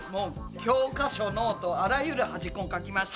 教科書ノートあらゆる端っこにかきました。